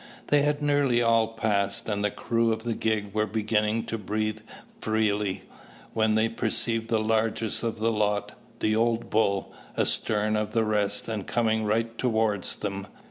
They had nearly all passed, and the crew of the gig were beginning to breathe freely; when they perceived the largest of the lot the old bull astern of the rest and coming right towards them.